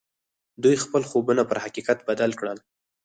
دوی خپل خوبونه پر حقيقت بدل کړل.